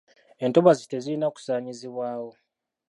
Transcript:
Entobazi tezirina kusaanyizibwawo.